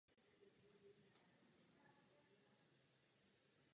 Svatba se konala o dva roky později.